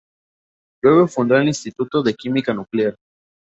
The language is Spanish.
Luego fundó el instituto de Química Nuclear.